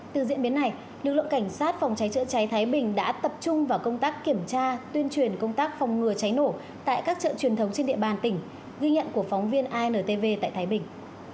từ diễn biến này lực lượng cảnh sát phòng cháy chữa cháy thái bình đã tập trung vào công tác kiểm tra tuyên truyền công tác phòng ngừa cháy nổ tại các chợ truyền thống trên địa bàn tỉnh ghi nhận của phóng viên intv tại thái bình